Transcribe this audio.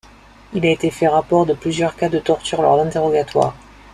Il a été fait rapport de plusieurs cas de torture lors d'interrogatoires.